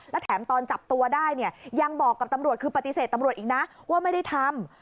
และแถมตอนจับตัวได้เนี่ยยังบอกกับตำรวจคือปฏิเสธตำรวจอีกนะว่าไม่ได้ทำ